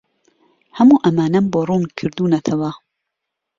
هەموو ئەمانەم بۆ ڕوون کردوونەتەوە.